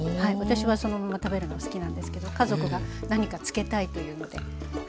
私はそのまま食べるの好きなんですけど家族が何かつけたいというのではい。